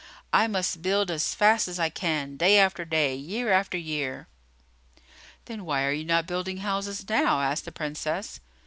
I must build as fast as I can, day after day, year after year." "Then why are you not building houses now?" asked the Princess.